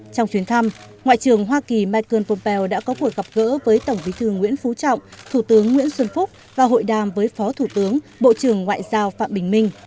trong chuyến thăm ngoại trưởng hoa kỳ michael pompeo đã có cuộc gặp gỡ với tổng bí thư nguyễn phú trọng thủ tướng nguyễn xuân phúc và hội đàm với phó thủ tướng bộ trưởng ngoại giao phạm bình minh